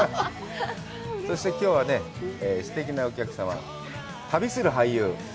そして、きょうはすてきなお客様、旅する俳優。